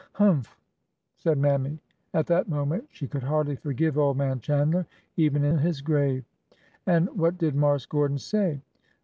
Humph !" said Mammy. At that moment she could hardly forgive old man Chandler, even in his grave. An' what did Marse Gordon say